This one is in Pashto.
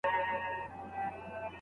له آفته د بازانو په امان وي